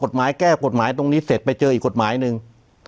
กฎหมายแก้กฎหมายตรงนี้เสร็จไปเจออีกกฎหมายหนึ่ง